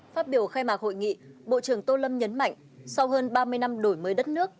phát biểu khai mạc hội nghị bộ trưởng tô lâm nhấn mạnh sau hơn ba mươi năm đổi mới đất nước